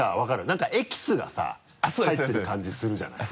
何かエキスがさ入ってる感じするじゃない？